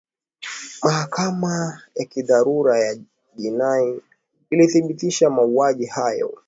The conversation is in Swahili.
mahakama ya kidharura ya jinai ilithibitisha mauaji hayo